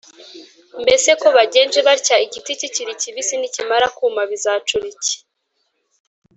“mbese ko bagenje batya igiti kikiri kibisi, nikimara kuma bizacura iki?